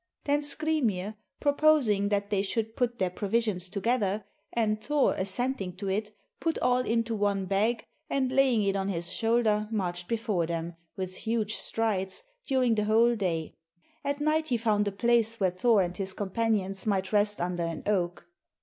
Then Skrymir, proposing that they should put their provisions together, and Thor assenting to it, put all into one bag, and laying it on his shoulder marched before them, with huge strides, during the whole day. At night he found a place where Thor and his companions might rest under an oak.